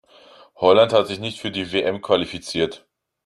Holland hat sich nicht für die WM qualifiziert.